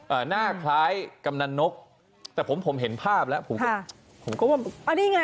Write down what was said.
หน้าคล้ายกำนันนกแต่ผมผมเห็นภาพแล้วผมก็ผมก็ว่าอ่านี่ไง